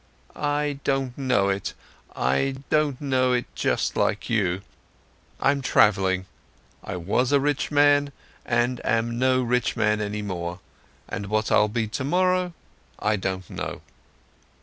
"I don't know it, I don't know it just like you. I'm travelling. I was a rich man and am no rich man any more, and what I'll be tomorrow, I don't know."